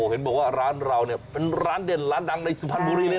เห็นบอกว่าร้านเราเนี่ยเป็นร้านเด่นร้านดังในสุพรรณบุรีเลย